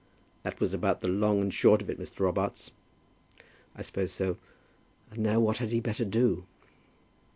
That was about the long and the short of it, Mr. Robarts." "I suppose so. And now what had he better do?"